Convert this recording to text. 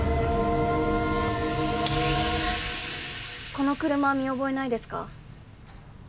この車見覚えないですか？